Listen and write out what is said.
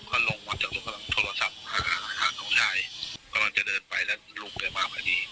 ก็ลงมาจากโทรศัพท์หาเขาชายกำลังจะเดินไปแล้วลุงไปมาอีกพอดี